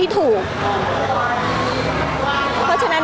พี่ตอบได้แค่นี้จริงค่ะ